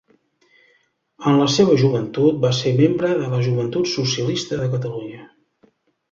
En la seva joventut va ser membre de la Joventut Socialista de Catalunya.